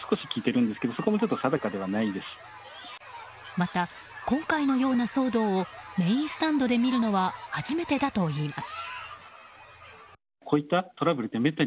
また、今回のような騒動をメインスタンドで見るのは初めてだといいます。